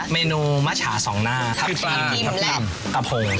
เมนูมะชาสองหน้าทับทีมและกะโพง